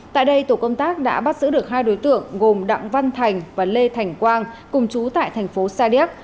tại đây tổ công tác đã bắt giữ được hai đối tượng gồm đặng văn thành và lê thành quang cùng chú tại thành phố sa điếc